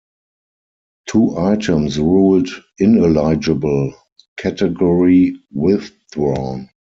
'Two items ruled ineligible; category withdrawn'